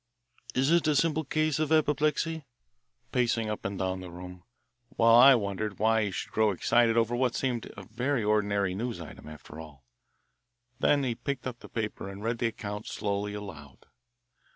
"Is it a simple case of apoplexy?" he asked, pacing up and down the room, while I wondered why he should grow excited over what seemed a very ordinary news item, after all. Then he picked up the paper and read the account slowly aloud.